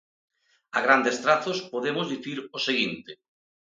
A grandes trazos, podemos dicir o seguinte: